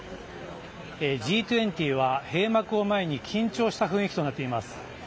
Ｇ２０は閉幕を前に緊張した雰囲気となっています。